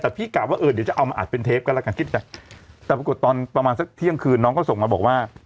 แต่พี่กะว่าเออเดี๋ยวจะเอามาอัดเป็นเทปกันแล้วกันคิดแต่แต่ปรากฏตอนประมาณสักเที่ยงคืนน้องก็ส่งมาบอกว่า